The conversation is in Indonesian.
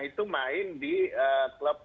itu main di klub